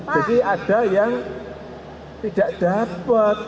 jadi ada yang tidak dapat